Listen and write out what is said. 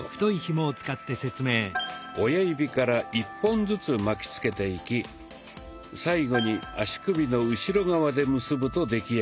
親指から１本ずつ巻きつけていき最後に足首の後ろ側で結ぶと出来上がります。